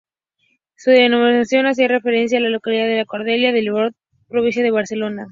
Su denominación hace referencia a la localidad de Cornellá de Llobregat, provincia de Barcelona.